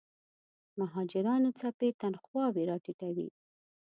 مهاجرانو څپې تنخواوې راټیټوي.